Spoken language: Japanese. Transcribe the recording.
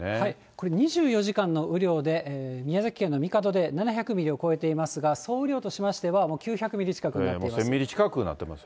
これ、２４時間の雨量で、宮崎県の神門で７００ミリを超えていますが、総雨量としましては、１０００ミリ近くになってますよね。